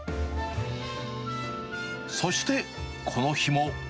そして、この日も。